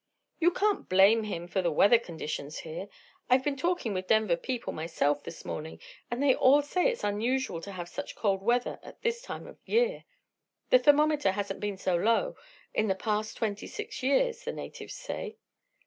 "You can't blame him for the weather conditions here. I've been talking with Denver people myself, this morning, and they all say it's unusual to have such cold weather at this time of year. The thermometer hasn't been so low in the past twenty six years, the natives say."